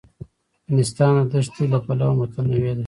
افغانستان د دښتې له پلوه متنوع دی.